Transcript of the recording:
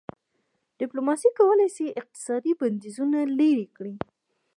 ډيپلوماسي کولای سي اقتصادي بندیزونه لېرې کړي.